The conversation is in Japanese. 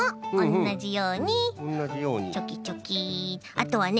あとはね